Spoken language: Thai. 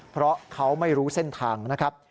เพราะเขาไม่รู้เส้นทางนะครับ